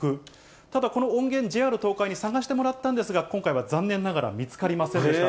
ただ、この音源、ＪＲ東海に探してもらったんですが、今回は残念ながら見つかりませんでした。